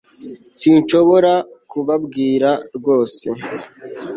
sinshobora kubabwira rwose